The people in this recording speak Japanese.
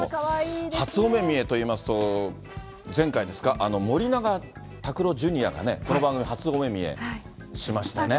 初お目見えといいますと、前回ですか、森永卓郎ジュニアがね、この番組、初お目見えしましたね。